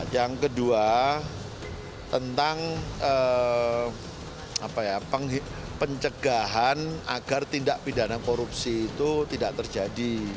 yang kedua tentang pencegahan agar tindak pidana korupsi itu tidak terjadi